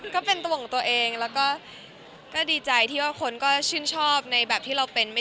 ก็เป็นตัวของตัวเองแล้วก็ดีใจที่ว่าคนก็ชื่นชอบในแบบที่เราเป็น